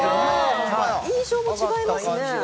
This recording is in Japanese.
印象も違いますね。